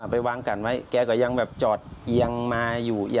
ไปวางกันไว้แกก็ยังแบบจอดเอียงมาอยู่